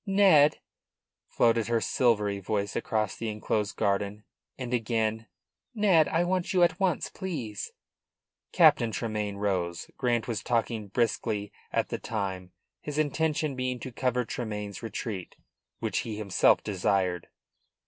"Ned!" floated her silvery voice across the enclosed garden. And again: "Ned! I want you at once, please." Captain Tremayne rose. Grant was talking briskly at the time, his intention being to cover Tremayne's retreat, which he himself desired.